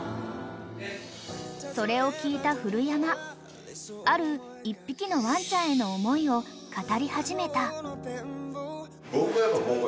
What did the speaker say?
［それを聞いた古山ある１匹のワンちゃんへの思いを語り始めた］